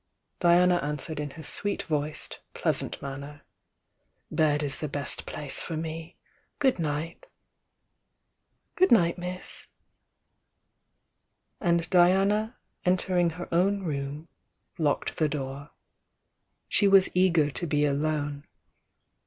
Diana answered in her sweet voiced, pleasant manner. "Bed is the best place for me. Good night!" "Good night, miss." And Diana entering he jwn room, locked the door. She was eager to be alone.